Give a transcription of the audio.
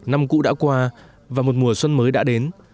năm cũ đã qua và một mùa xuân mới đã đến